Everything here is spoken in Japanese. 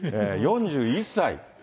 ４１歳。